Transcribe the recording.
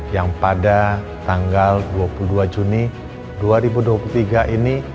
yang pada tanggal dua puluh dua juni dua ribu dua puluh tiga ini